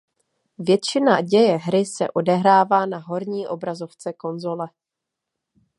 Většina děje hry se odehrává na horní obrazovce konzole.